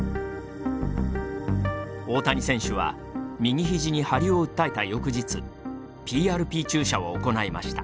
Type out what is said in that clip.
大谷選手は右ひじにはりを訴えた翌日ＰＲＰ注射を行いました。